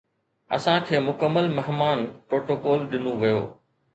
اسان کي مڪمل مهمان پروٽوڪول ڏنو ويو